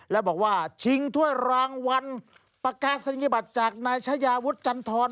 แล้วบอกว่าชิงถ้วยรางวัลประกาศนิยบัตรจากนายชายาวุฒิจันทร